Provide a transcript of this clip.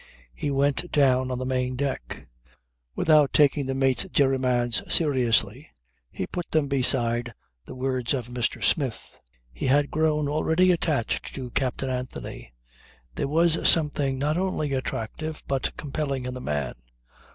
He went down on the main deck. Without taking the mate's jeremiads seriously he put them beside the words of Mr. Smith. He had grown already attached to Captain Anthony. There was something not only attractive but compelling in the man.